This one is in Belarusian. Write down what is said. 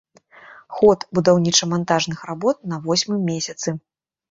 Ход будаўніча-мантажных работ на восьмым месяцы.